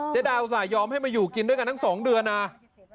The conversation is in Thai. ดาวอุตส่าหยอมให้มาอยู่กินด้วยกันทั้ง๒เดือนนะ